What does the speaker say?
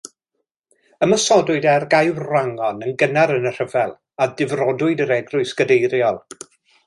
Ymosodwyd ar Gaerwrangon yn gynnar yn y rhyfel a difrodwyd yr eglwys gadeiriol.